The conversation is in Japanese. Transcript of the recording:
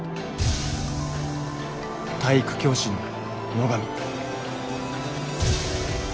体育教師の野上。